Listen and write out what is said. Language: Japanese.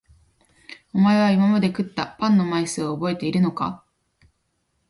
おまえは今まで食ったパンの枚数をおぼえているのか？